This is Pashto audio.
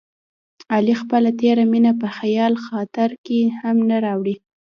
علي خپله تېره مینه په خیال خاطر کې هم نه راوړي.